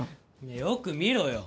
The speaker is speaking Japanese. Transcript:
よく見ろよ。